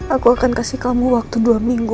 aku akan kasih kamu waktu dua minggu